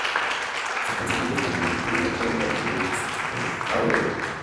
Su pensamiento está muy influido por el de Arthur Schopenhauer.